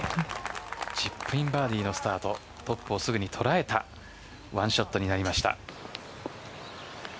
チップインバーディーのスタートトップをすぐに捉えた１ショットになりました。